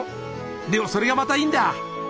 でもそれがまたいいんだ。